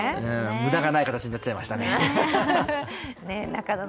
無駄がない形になっちゃいましたね。